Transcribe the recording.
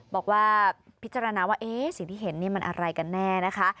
บอกว่าพิจารณาว่าสิ่งที่เห็นนี่มันอะไรกันแน่นะคะ